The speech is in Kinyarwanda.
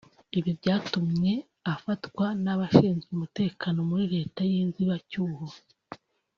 ibi byatumye afatwa n’abashinzwe umutekano muri Leta y’inzibacyuho